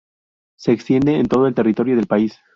Se extiende en todo el territorio del país.